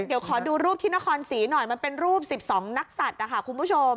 เดี๋ยวขอดูรูปที่นครศรีหน่อยมันเป็นรูป๑๒นักศัตริย์นะคะคุณผู้ชม